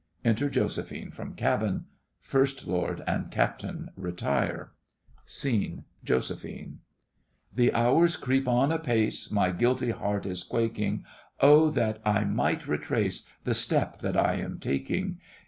Enter JOSEPHINE from cabin. FIRST LORD and CAPTAIN retire SCENE—JOSEPHINE The hours creep on apace, My guilty heart is quaking! Oh, that I might retrace The step that I am taking!